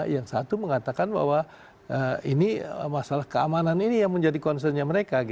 yang satu mengatakan bahwa ini masalah keamanan ini yang menjadi concernnya mereka